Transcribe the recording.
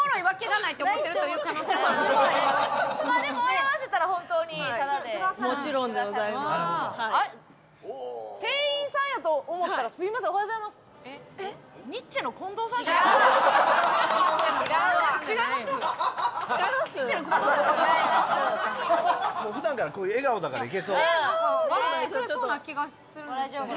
なんか笑ってくれそうな気がするんですけど。